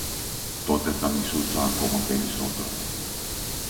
Τότε τα μισούσα ακόμα περισσότερο